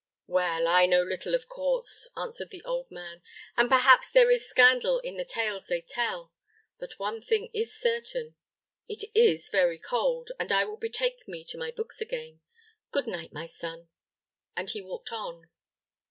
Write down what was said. "Well, I know little of courts," answered the old man, "and perhaps there is scandal in the tales they tell; but one thing is certain it is very cold, and I will betake me to my books again. Good night, my son;" and he walked on.